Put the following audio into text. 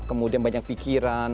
kemudian banyak pikiran